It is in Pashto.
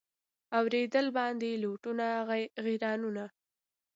اورېدل باندي لوټونه غیرانونه